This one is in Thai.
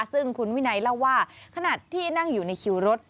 ซึ่งคุณวินัยเล่าว่าขณะที่นั่งอยู่ในคิวรถ